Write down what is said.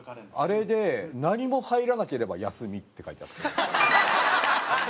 あれで「何も入らなければ休み」って書いてあって。